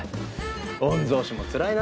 御曹司もつらいな。